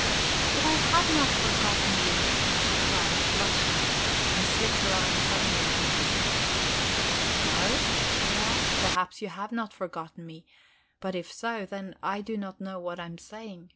"But I have not forgotten you," she cried, blushing, and slipped her arm suddenly into mine. "No? Well, perhaps you have not forgotten me. But if so, then I do not know what I am saying.